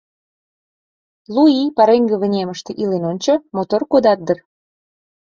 Лу ий пареҥге вынемыште илен ончо — мотор кодат дыр!».